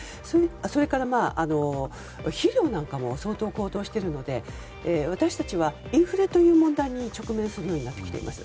それから肥料なんかも相当、高騰しているので私たちはインフレという問題に直面するようになってきます。